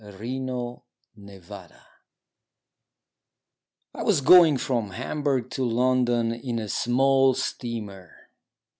ON THE SEA I WAS going from Hamburg to London in a small steamer.